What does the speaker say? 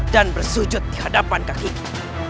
dan bersujud di hadapan kakiku